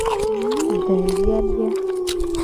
Dediadia.